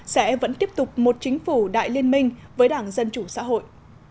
sẽ vẫn tiếp tục một chính phủ đại liên minh với đảng dân chủ xã hội